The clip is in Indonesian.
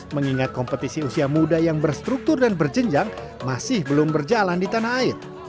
mengingat kompetisi usia muda yang berstruktur dan berjenjang masih belum berjalan di tanah air